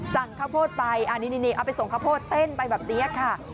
สั่งข้าวโพดไปนี่เอาไปส่งข้าวโพดเต้นไปแบบนี้ค่ะ